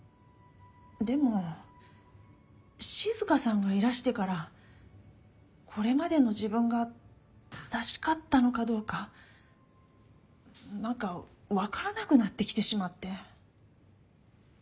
でも静さんがいらしてからこれまでの自分が正しかったのかどうかなんかわからなくなってきてしまって。